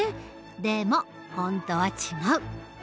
でも本当は違う。